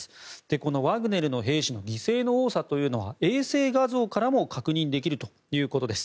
このワグネルの兵士の犠牲の多さというのは衛星画像からも確認できるということです。